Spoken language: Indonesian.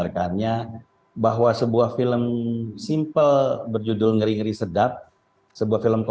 sesuatu itu duluya sebutkan tiru tiri adalah sesuatu yang menjadi apresiasi dan bersimpati dengan